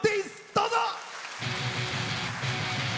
どうぞ。